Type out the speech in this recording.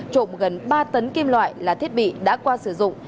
trộm gần ba tấn kim loại là thiết bị đã qua sử dụng